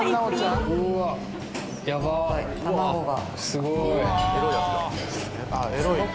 すごい。